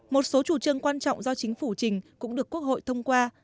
một số chủ trương quan trọng do chính phủ trình cũng được quốc hội thông qua